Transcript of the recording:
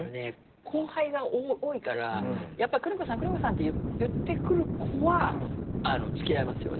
後輩が多いから「邦子さん邦子さん」って言ってくる子は付き合いますよね。